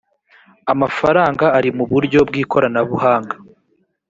amafaranga ari mu buryo bw ikoranabuhanga